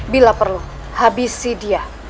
bila perlu habisi dia